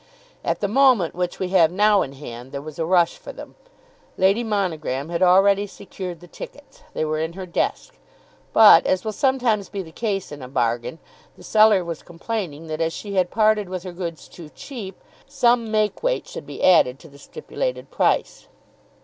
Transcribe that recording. At the moment which we have now in hand, there was a rush for them. Lady Monogram had already secured the tickets. They were in her desk. But, as will sometimes be the case in a bargain, the seller was complaining that as she had parted with her goods too cheap, some make weight should be added to the stipulated price.